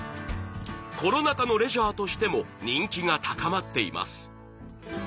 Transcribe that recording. コロナ禍のレジャーとしても人気が高まっています。